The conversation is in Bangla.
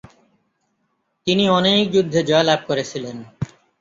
তিনি অনেক যুদ্ধে জয়লাভ করেছিলেন।